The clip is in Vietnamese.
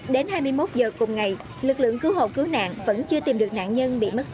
đến hai mươi một giờ cùng ngày lực lượng cứu hộ cứu nạn vẫn chưa tìm được nạn nhân bị mất tích